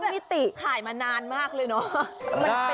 แล้วเขาแบบขายมานานมากเลยเนาะ